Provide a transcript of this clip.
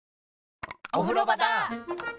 おふろばだ！